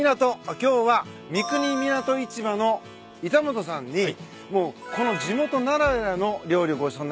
今日は三国港市場の板本さんにこの地元ならではの料理ごちそうになります。